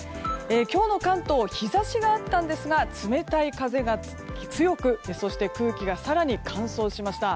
今日の関東日差しがあったんですが冷たい風が強くそして空気が更に乾燥しました。